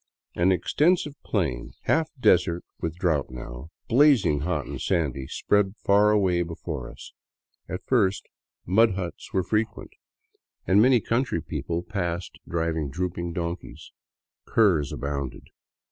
An extensive plain, half desert with drought now, blazing hot and sandy, spread far away before us. At first, mud huts were frequent, 48 FROM BOGOTA OVER THE QUINDIO and many country people passed driving drooping donkeys. Curs abounded.